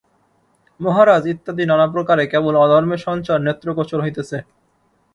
মহারাজ ইত্যাদি নানা প্রকারে কেবল অধর্মের সঞ্চার নেত্রগোচর হইতেছে।